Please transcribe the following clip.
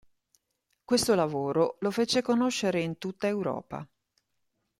Questo lavoro lo fece conoscere in tutta Europa.